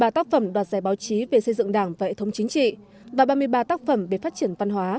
ba mươi tác phẩm đoạt giải báo chí về xây dựng đảng và hệ thống chính trị và ba mươi ba tác phẩm về phát triển văn hóa